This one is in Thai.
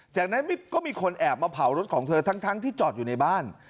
จากนั้นก็มีคนแอบมาเผารถของเธอทั้งที่จอดอยู่ในบ้าน